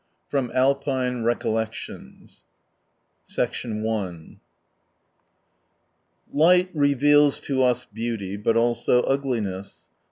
^From Alpine Recollections.) I Light reveals to us beauty — but also ugli ness.